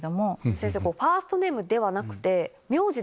先生ファーストネームではなくて。